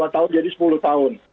lima tahun jadi sepuluh tahun